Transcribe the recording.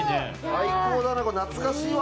最高だね、懐かしいわ。